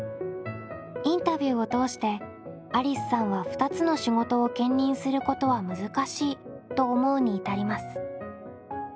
インタビューを通してありすさんは２つの仕事を兼任することは難しいと思うに至ります。